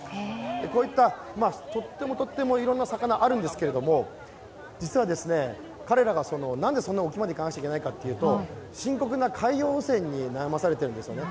こういったとってもとってもいろんな魚、あるんですけども彼らがなんでそんな沖まで行かないといけないかというと深刻な海洋汚染に悩まされているんですね。